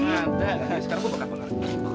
nah sekarang gue bakar bakar